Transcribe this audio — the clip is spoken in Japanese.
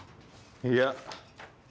いや。